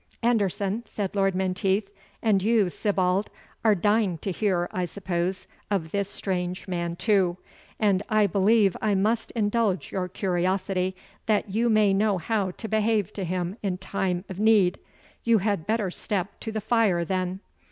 "Anderson," said Lord Menteith, "and you, Sibbald, are dying to hear, I suppose, of this strange man too! and I believe I must indulge your curiosity, that you may know how to behave to him in time of need. You had better step to the fire then."